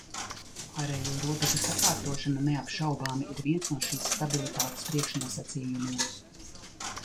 Ārējo robežu sakārtošana, neapšaubāmi, ir viens no šīs stabilitātes priekšnosacījumiem.